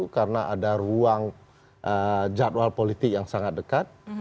karena ada ruang jadwal politik yang sangat dekat